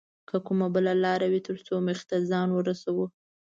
که کومه بله لاره وي تر څو موخې ته ځان ورسوو